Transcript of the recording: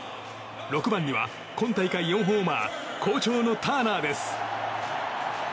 ６番には今大会４ホーマー好調のターナーです。